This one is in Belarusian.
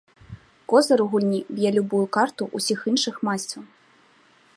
Козыр у гульні б'е любую карту ўсіх іншых масцяў.